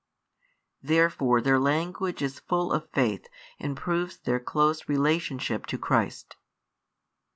Therefore their language is full of faith and proves their close relationship to Christ.